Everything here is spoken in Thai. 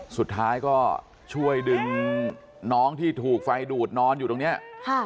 สุดท้ายก็ช่วยดึงน้องที่ถูกไฟดูดนอนอยู่ตรงเนี้ยค่ะ